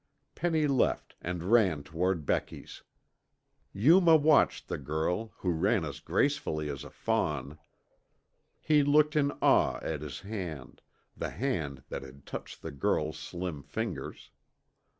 Penny left and ran toward Becky's. Yuma watched the girl, who ran as gracefully as a fawn. He looked in awe at his hand, the hand that had touched the girl's slim fingers.